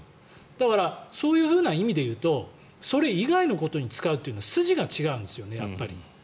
だからそういうふうな意味で言うとそれ以外のことに使うのは筋が違うんですよねやっぱり。